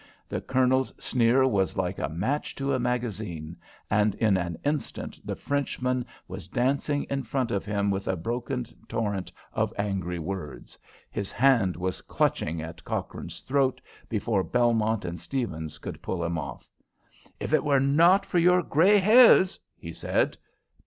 The Colonel's sneer was like a match to a magazine, and in an instant the Frenchman was dancing in front of him with a broken torrent of angry words. His hand was clutching at Cochrane's throat before Belmont and Stephens could pull him off. "If it were not for your grey hairs " he said.